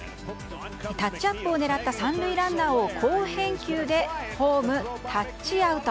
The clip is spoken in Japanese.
タッチアップを狙った３塁ランナーを好返球でホームタッチアウト。